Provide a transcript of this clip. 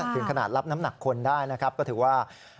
ถึงขนาดรับน้ำหนักคนได้นะครับก็ถือว่า